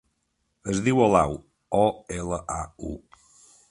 Es diu Olau: o, ela, a, u.